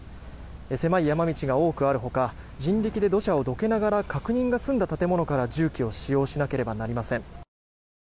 狭い山道が多くあるほか人力で土砂をどけながら確認が済んだ建物から重機を使用しなければなりません。